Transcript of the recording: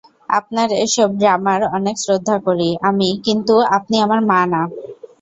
আপনার এসব ড্রামার অনেক শ্রদ্ধা করি আমি কিন্তু আপনি আমার মা না।